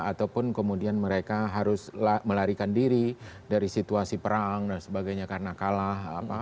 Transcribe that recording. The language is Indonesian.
ataupun kemudian mereka harus melarikan diri dari situasi perang dan sebagainya karena kalah